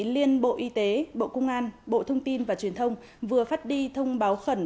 liên bộ y tế bộ công an bộ thông tin và truyền thông vừa phát đi thông báo khẩn